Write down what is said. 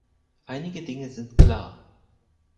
Einige Dinge sind klar.